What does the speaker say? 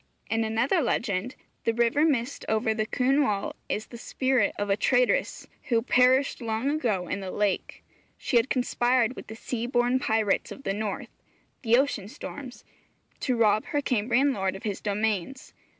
In another legend, the river mist over the Cynwal is the spirit of a traitress who perished long ago in the lake. She had conspired with the sea born pirates of the North (the ocean storms) to rob her Cambrian lord of his domains.